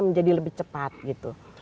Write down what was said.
menjadi lebih cepat gitu